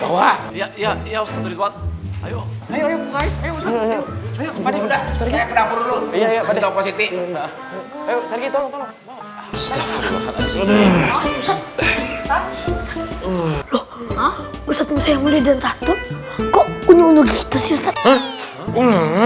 lho ustadz musa yang mulia dan tato kok unyu unyu gitu sih ustadz